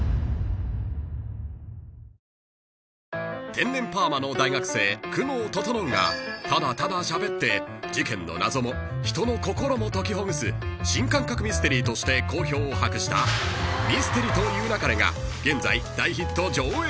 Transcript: ［天然パーマの大学生久能整がただただしゃべって事件の謎も人の心も解きほぐす新感覚ミステリーとして好評を博した『ミステリと言う勿れ』が現在大ヒット上映中］